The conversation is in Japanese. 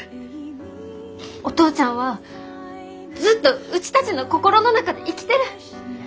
お父ちゃんはずっとうちたちの心の中で生きてる。